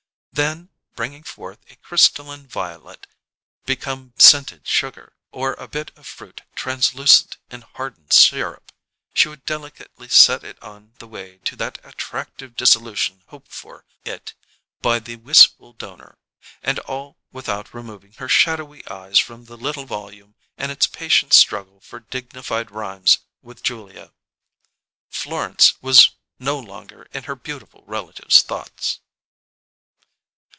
Then, bringing forth a crystalline violet become scented sugar, or a bit of fruit translucent in hardened sirup, she would delicately set it on the way to that attractive dissolution hoped for it by the wistful donor and all without removing her shadowy eyes from the little volume and its patient struggle for dignified rhymes with "Julia." Florence was no longer in her beautiful relative's thoughts.